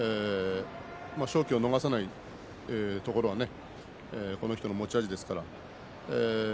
勝機を逃さないというところこの人の持ち味ですから。